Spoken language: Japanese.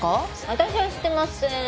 私はしてませーん。